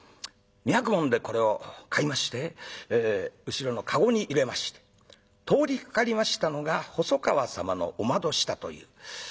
２百文でこれを買いまして後ろの籠に入れまして通りかかりましたのが細川様のお窓下という。